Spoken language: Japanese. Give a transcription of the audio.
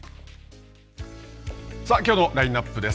さあ、きょうのラインナップです。